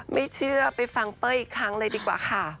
ไม่เชื่อไปฟังเป้ยอีกครั้งเลยดีกว่าค่ะ